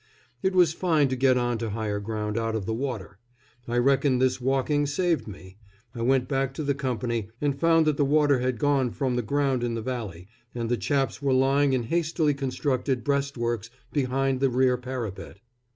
It was fine to get on to higher ground out of the water. I reckon this walking saved me. I went back to the company, and found the water had gone from the ground in the valley, and the chaps were lying in hastily constructed breastworks behind the rear parapet.